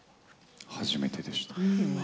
初めてでした。